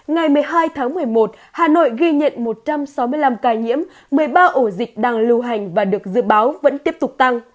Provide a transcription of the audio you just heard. ngày một mươi hai tháng một mươi một hà nội ghi nhận một trăm sáu mươi năm ca nhiễm một mươi ba ổ dịch đang lưu hành và được dự báo vẫn tiếp tục tăng